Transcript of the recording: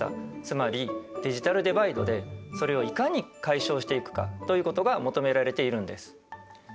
つまりデジタルデバイドでそれをいかに解消していくかということが求められているんです。